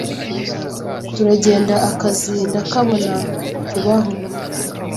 turagenda akazi ndakabona tubah